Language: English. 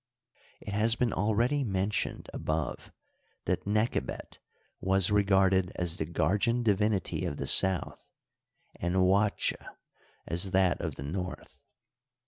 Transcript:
It has been already mentioned above that Nechebet was re garded as the guardian divinity of the South and Ouatj as that of the North.